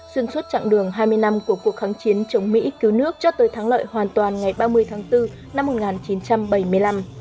xuyên suốt chặng đường hai mươi năm của cuộc kháng chiến chống mỹ cứu nước cho tới thắng lợi hoàn toàn ngày ba mươi tháng bốn năm một nghìn chín trăm bảy mươi năm